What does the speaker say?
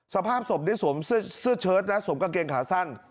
สภาพศพได้สวมเสื้อเชิดนะสวมกางเกงขาสั้น